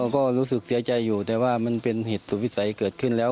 ก็รู้สึกเสียใจอยู่แต่ว่ามันเป็นเหตุสุดวิสัยเกิดขึ้นแล้ว